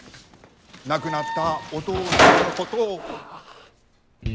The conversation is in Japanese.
亡くなったお父さんのことを。